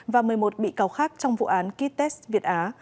và một mươi một bị cáo khác trong vụ án kites việt á